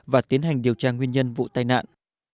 và tiến hành điều tra nguyên nhân vụ tai nạn